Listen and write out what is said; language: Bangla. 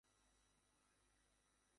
আপনি কি পাগল নাকি ভাই?